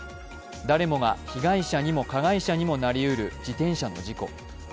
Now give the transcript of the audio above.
誰もが被害者にも加害者にもなりうる自転車の事故。